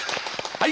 はい！